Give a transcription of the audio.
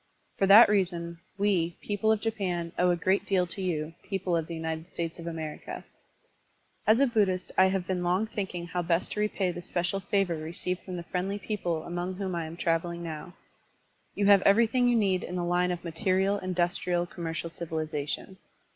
For that reason, we, people of Japan, owe a great deal to you, people of the United States of America. As a Buddhist I have been long thinldng how best to repay this special favor received from the Digitized by Google BUDDHISM AND ORIENTAL CULTURE l8l friendly people among whom I am traveling now. You have everything you need in the line of material, industrial, commercial civilization.